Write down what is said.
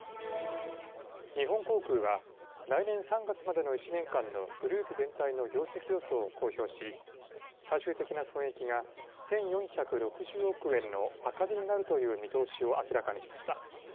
日本航空は来年３月までの１年間のグループ全体の業績予想を公表し最終的な損益が１４６０億円の赤字になるという見通しを明らかにしました。